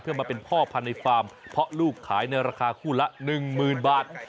เพื่อมาเป็นพ่อพันธุ์ในฟาร์มเพราะลูกขายในราคาคู่ละ๑๐๐๐บาท